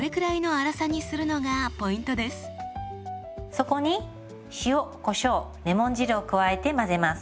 そこに塩こしょうレモン汁を加えて混ぜます。